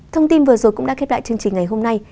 thông tin vừa rồi cũng đã kết đại chương trình ngày hôm nay